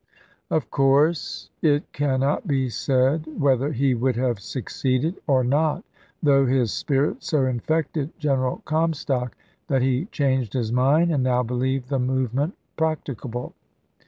Of course it cannot be said whether he would have succeeded or not, though his spirit so infected General Corn stock that he changed his mind, and now believed the movement practicable.